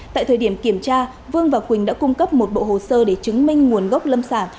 tại thời điểm kiểm tra vương và quỳnh đã cung cấp một bộ hồ sơ để chứng minh nguồn gốc lâm sản